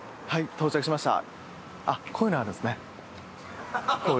到着しました。